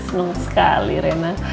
seneng sekali rena